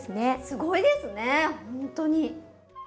すごいですねほんとに。